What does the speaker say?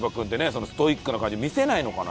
そのストイックな感じ見せないのかな？